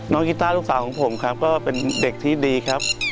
กีต้าลูกสาวของผมครับก็เป็นเด็กที่ดีครับ